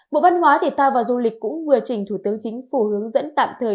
bộ văn hóa thể thao và du lịch cũng vừa trình thủ tướng chính phủ hướng dẫn tạm thời